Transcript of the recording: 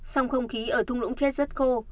sông không khí ở thung lũng chết rất khô